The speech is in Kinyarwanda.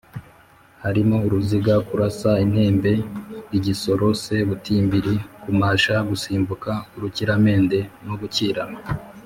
harimo: uruziga, kurasa intembe, igisoro, sebutimbiri, kumasha, gusimbuka urukiramende no gukirana.